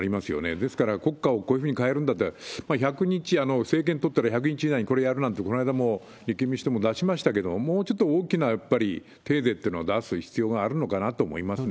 ですから国家をこういうふうに変えるんだって、１００日、政権取ったら１００日以内にこれやるなんて、こないだも立憲民主党も出しましたけれども、もうちょっと大きな、やっぱりテーゼというのを出す必要があるのかなって思いますよね。